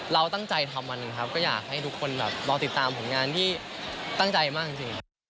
เราตั้งใจทำวันหนึ่งครับก็อยากให้ทุกคนแบบรอติดตามผลงานที่ตั้งใจมากจริง